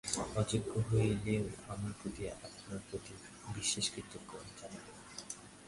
অযোগ্য হইলেও আমার প্রতি আপনার প্রীতির জন্য বিশেষ কৃতজ্ঞতা জানিবেন।